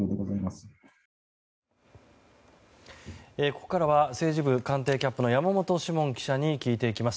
ここからは政治部官邸キャップの山本志門記者に聞いていきます。